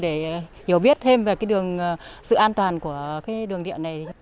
để hiểu biết thêm về sự an toàn của đường điện này